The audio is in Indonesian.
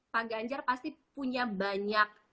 pak ganjar pasti punya banyak